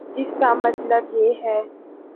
جس کا مطلب یہ ہے۔